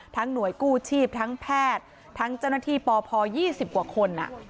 หน่วยกู้ชีพทั้งแพทย์ทั้งเจ้าหน้าที่ปพ๒๐กว่าคน